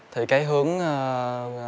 thì cái hướng